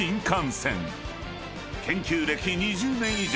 ［研究歴２０年以上］